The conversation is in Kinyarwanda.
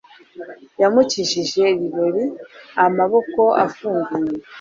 Yaramukije Riley amaboko afunguye